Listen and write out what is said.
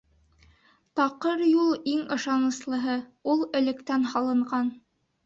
Таҡыр юл — иң ышаныслыһы, ул электән һыналған.